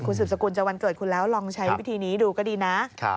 สืบสกุลจะวันเกิดคุณแล้วลองใช้วิธีนี้ดูก็ดีนะ